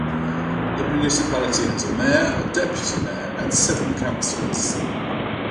The municipality has a mayor, a deputy mayor, and seven councillors.